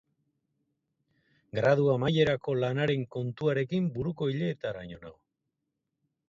Gradu Amaierako Lanaren kontuarekin buruko ileetaraino nago.